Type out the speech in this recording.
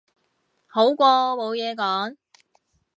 好過冇嘢講